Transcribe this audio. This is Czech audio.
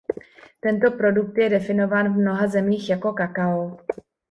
Tento produkt je definován v mnoha zemích jako kakao.